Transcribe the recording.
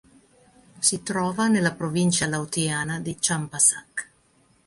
Si trova nella provincia laotiana di Champasak.